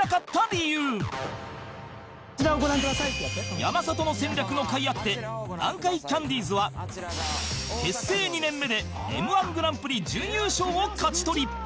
山里の戦略のかいがあって南海キャンディーズは結成２年目で Ｍ−１ グランプリ準優勝を勝ち取り